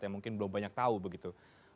yang mungkin belum banyak tahu begitu